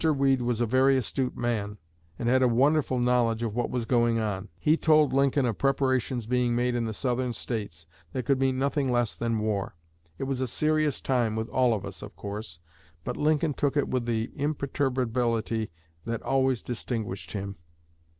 Weed was a very astute man, and had a wonderful knowledge of what was going on. He told Lincoln of preparations being made in the Southern States that could mean nothing less than war. It was a serious time with all of us, of course, but Lincoln took it with the imperturbability that always distinguished him."